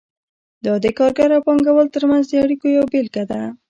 دا د کارګر او پانګه وال ترمنځ د اړیکو یوه بیلګه ده.